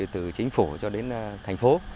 từ chính phủ cho đến thành phố